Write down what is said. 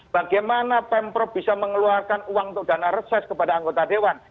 bagaimana pemprov bisa mengeluarkan uang untuk dana reses kepada anggota dewan